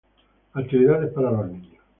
Actividades para los niños